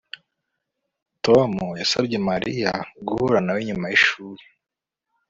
Tom yasabye Mariya guhura nawe nyuma yishuri